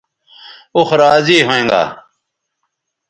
اوخ راضی ھوینگا